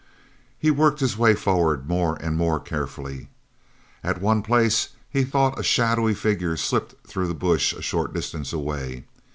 He worked his way forward more and more carefully. At one place he thought a shadowy figure slipped through the brush a short distance away.